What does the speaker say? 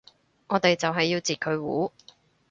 我哋就係要截佢糊